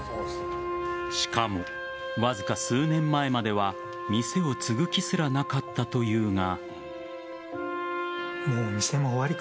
しかも、わずか数年前までは店を継ぐ気すらなかったというが。